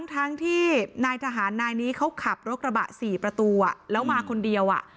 ทั้งที่นายทหารนายนี้เขาขับรถกระบะ๔ประตูแล้วมาคนเดียว